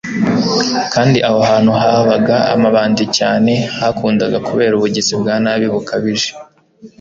kandi aho hantu habaga amabandi cyane, hakundaga kubera ubugizi bwa nabi bukabije.